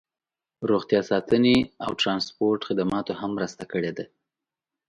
روغتیا ساتنې او ټرانسپورټ خدماتو هم مرسته کړې ده